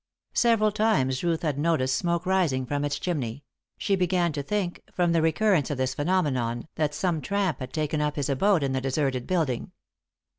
Several times Ruth had noticed smoke rising from its chimney; she began to think, from the recurrence of this phenomenon, that some tramp had taken up his abode in the deserted building.